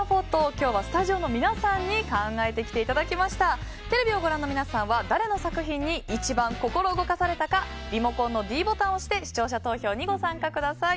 今日はスタジオの皆さんに考えてきていただきました。テレビをご覧の皆さんは誰の作品に一番心を動かされたかリモコンのｄボタンを押して視聴者投票にご参加ください。